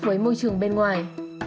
với môi trường bên ngoài